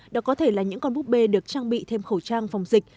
đó có thể là những con búp bê được trang bị thêm khẩu trang phòng dịch